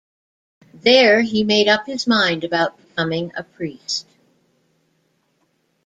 There he made up his mind about becoming a priest.